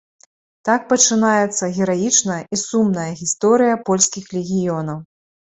Так пачынаецца гераічная і сумная гісторыя польскіх легіёнаў.